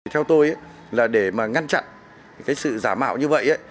theo tôi để ngăn chặn sự giả mạo như vậy